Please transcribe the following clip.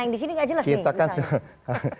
yang di sini gak jelas nih